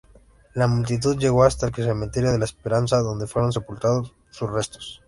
La multitud llegó hasta el cementerio de La Esperanza, donde fueron sepultados sus restos.